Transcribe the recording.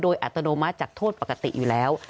โดยอัตโนมัติจากโทษปกติอยู่แล้ว